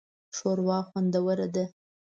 شوروا خوندوره ده